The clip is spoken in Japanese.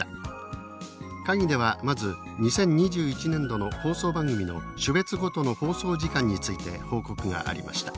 会議ではまず２０２１年度の放送番組の種別ごとの放送時間について報告がありました。